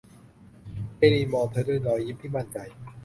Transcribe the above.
เอลีนมองเธอด้วยรอยยิ้มที่มั่นใจ